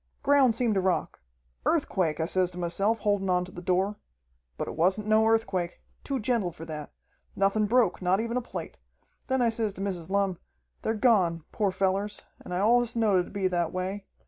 "Ground seemed to rock. Earthquake, I says to myself, holdin' on to the door. But it wasn't no earthquake. Too gentle for that. Nothin' broke, not even a plate. Then I says to Mrs. Lumm, 'They're gone, poor fellers, and I allus knowed it would be that way.